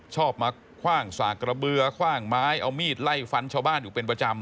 ชอบมาคว่างสากระเบือคว่างไม้เอามีดไล่ฟันชาวบ้านอยู่เป็นประจำ